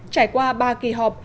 trải qua ba kỳ họp